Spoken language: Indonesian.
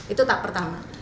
itu tak pertama